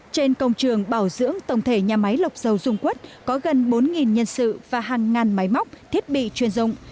trên công trường bảo dưỡng tổng thể nhà máy lọc dầu dung quất có gần bốn nhân sự và hàng ngàn máy móc thiết bị chuyên dụng